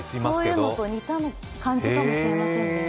そういうのと似たのかもしれませんね。